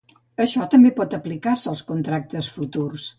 Això també pot aplicar-se als contractes futurs.